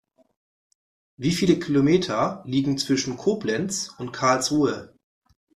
Wie viele Kilometer liegen zwischen Koblenz und Karlsruhe?